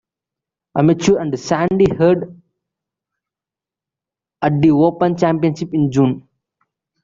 Amateur and Sandy Herd at The Open Championship in June.